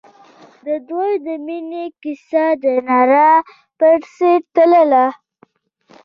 د دوی د مینې کیسه د رڼا په څېر تلله.